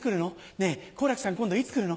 ねぇ好楽さん今度いつ来るの？